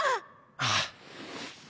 ああ。